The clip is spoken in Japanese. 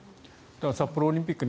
札幌オリンピック